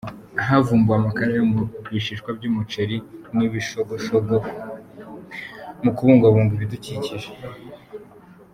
Havumbuwe amakara yo mu bishishwa by’umuceri n’ibishogoshogo mu kubungabunga ibidukikije